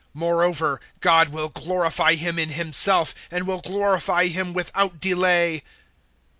013:032 Moreover God will glorify Him in Himself, and will glorify Him without delay.